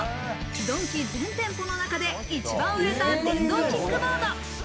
ドンキ全店舗の中で一番売れた電動キックボード。